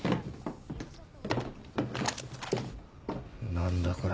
何だこれ。